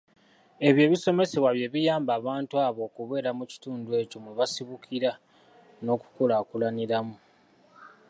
Ebyo ebisomesebwa bye biyamba abantu abo okubeera mu kitundu ekyo mwe basibukira n’okukulaakulaniramu.